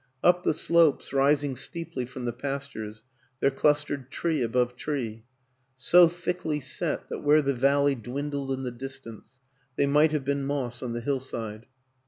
Up the WILLIAM AN ENGLISHMAN 43 slopes rising steeply from the pastures there clustered tree above tree so thickly set that where the valley dwindled in the distance they might have been moss on the hill side.